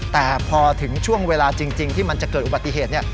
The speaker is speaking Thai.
แต่พอถึงช่วงเวลาจริงที่มันจะเกิดอุบัติเหตุ